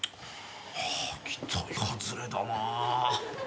期待外れだな。